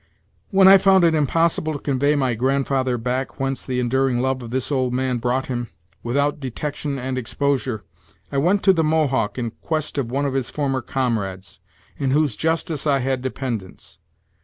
When I found it impossible to convey my grandfather back whence the enduring love of this old man brought him, without detection and exposure, I went to the Mohawk in quest of one of his former comrades, in whose justice I had dependence.